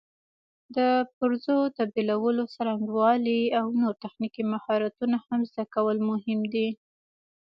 د پرزو تبدیلولو څرنګوالي او نور تخنیکي مهارتونه هم زده کول مهم دي.